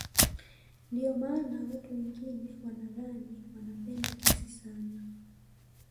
Ndiyo maana watu wengine wanadhani wanapenda kesi sana